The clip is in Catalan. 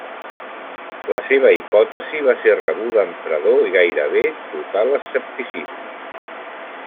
La seva hipòtesi va ser rebuda amb fredor i gairebé total escepticisme.